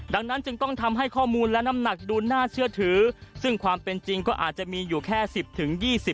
ดังนั้นจึงต้องทำให้ข้อมูลและน้ำหนักดูน่าเชื่อถือซึ่งความเป็นจริงก็อาจจะมีอยู่แค่๑๐๒๐